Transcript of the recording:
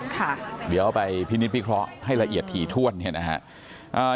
ค่ะเดี๋ยวเอาไปพินิษพิเคราะห์ให้ละเอียดถี่ถ้วนเนี่ยนะฮะ